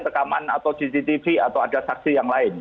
rekaman atau cctv atau ada saksi yang lain